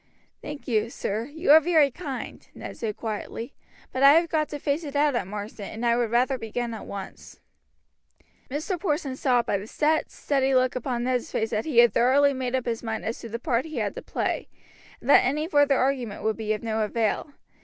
"Thank you, sir, you are very kind," Ned said quietly; "but I have got to face it out at Marsden, and I would rather begin at once." Mr. Porson saw by the set, steady look upon Ned's face that he had thoroughly made up his mind as to the part he had to play, and that any further argument would be of no avail.